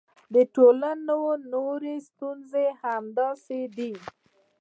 د ټولنو نورې ستونزې هم همداسې دي.